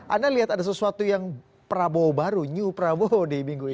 anda lihat ada sesuatu yang prabowo baru new prabowo di minggu ini